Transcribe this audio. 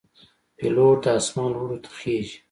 پیلوټ د آسمان لوړو ته خېژي.